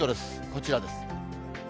こちらです。